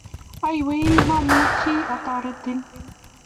Aywei momuchi atoretin.